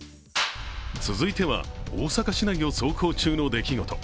続いては、大阪市内を走行中の出来事。